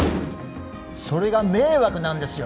それが迷惑なんですよ